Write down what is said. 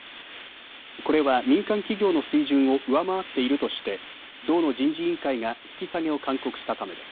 これは民間企業の水準を上回っているとして道の人事委員会が引き下げを勧告したためです。